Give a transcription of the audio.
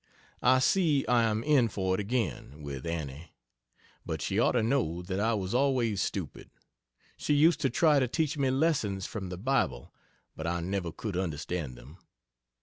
I see I am in for it again with Annie. But she ought to know that I was always stupid. She used to try to teach me lessons from the Bible, but I never could understand them.